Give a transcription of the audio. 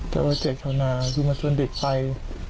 จะเอาไปแจกข่าวนาคือมาชวนเด็กไป